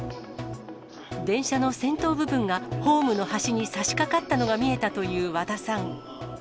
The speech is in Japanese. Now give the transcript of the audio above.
電車の先頭部分がホームの端にさしかかったのが見えたという和田さん。